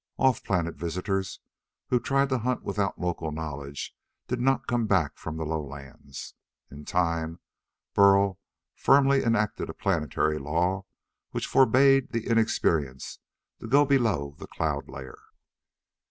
Off planet visitors who tried to hunt without local knowledge did not come back from the lowlands. In time, Burl firmly enacted a planetary law which forbade the inexperienced to go below the cloud layer.